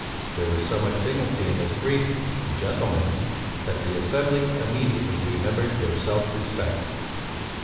There was so much dignity in this brief "Gentlemen" that the assembly immediately remembered their self respect.